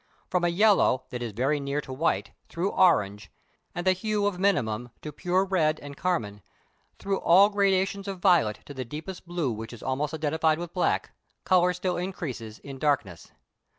From a yellow, that is very near to white, through orange, and the hue of minium to pure red and carmine, through all gradations of violet to the deepest blue which is almost identified with black, colour still increases in darkness.